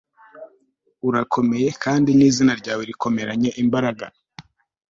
urakomeye kandi nizina ryawe Rikomeranye imbaraga